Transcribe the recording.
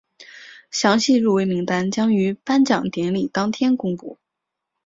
详细入围名单将于颁奖典礼当天公布。